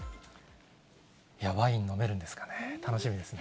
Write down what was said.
ワイン飲めるんですかね、楽しみですね。